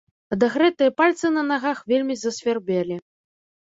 Адагрэтыя пальцы на нагах вельмі засвярбелі.